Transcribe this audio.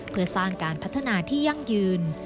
เพื่อสร้างการพัฒนาที่ยั่งยืน